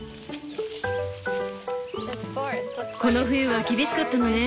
この冬は厳しかったのね。